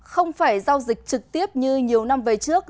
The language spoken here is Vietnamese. không phải giao dịch trực tiếp như nhiều năm về trước